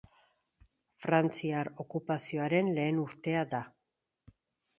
Frantziar okupazioaren lehen urtea da.